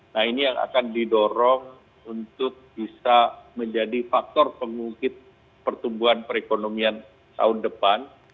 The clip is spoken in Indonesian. nah ini yang akan didorong untuk bisa menjadi faktor pengungkit pertumbuhan perekonomian tahun depan